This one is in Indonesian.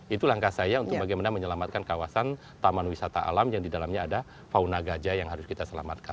itu langkah saya untuk bagaimana menyelamatkan kawasan taman wisata alam yang di dalamnya ada fauna gajah yang harus kita selamatkan